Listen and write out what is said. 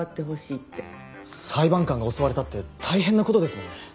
裁判官が襲われたって大変な事ですもんね。